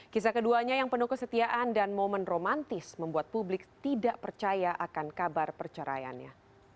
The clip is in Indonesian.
kisah keduanya yang penuh kesetiaan dan momen romantis membuat publik tidak percaya akan kabar perceraiannya